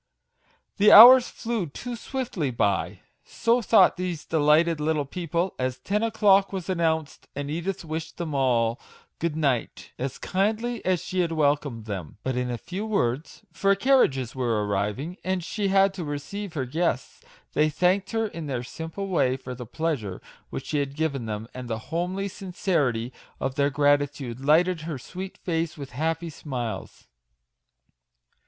The hours flew too swiftly by so thought these delighted little people, as ten o'clock was announced, and Edith wished them all good night as kindly as she had welcomed them ; but in few words, for carriages were arriving, and she had to receive her guests : they thanked MAGIC WORDS. 47 her in their simple way for the pleasure which she had given them, and the homely sincerity of their gratitude lighted her sweet face with happy smiles.